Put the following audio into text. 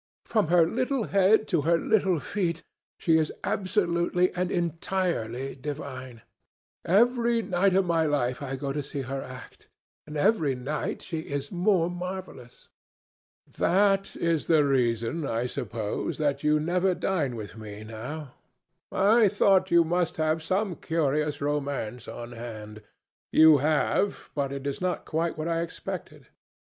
From her little head to her little feet, she is absolutely and entirely divine. Every night of my life I go to see her act, and every night she is more marvellous." "That is the reason, I suppose, that you never dine with me now. I thought you must have some curious romance on hand. You have; but it is not quite what I expected."